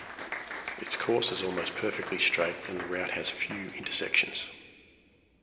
Its course is almost perfectly straight, and the route has few intersections.